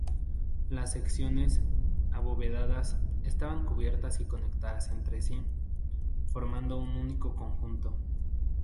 Las secciones, abovedadas, estaban cubiertas y conectadas entre sí, formando un único conjunto.